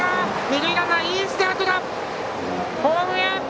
二塁ランナーいいスタート！